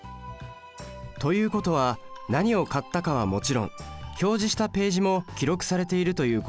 ということは何を買ったかはもちろん表示したページも記録されているということですね？